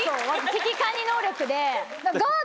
危機管理能力で。